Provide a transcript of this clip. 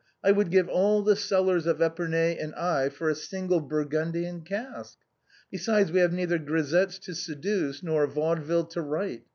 I would give all the cellars of Épernay and Aï for a single Burgundian cask. Besides, we have neither grisettes to seduce, nor a vaudeville to write.